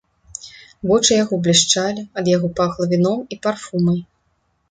Вочы яго блішчалі, ад яго пахла віном і парфумай.